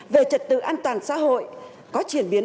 về trật tự an toàn xã hội có chuyển biến